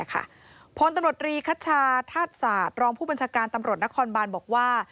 ค่ะพลตำรดรีคชาธาตุษศาสตรองผู้บัญชาการตำรดนครบาลบอกว่า